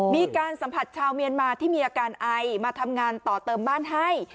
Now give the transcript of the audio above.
มีการสัมผัสชาวเมียนมาที่มีอาการไอมาทำงานต่อเติมบ้านให้